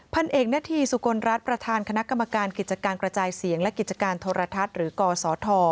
เอกณฑีสุกลรัฐประธานคณะกรรมการกิจการกระจายเสียงและกิจการโทรทัศน์หรือกศธ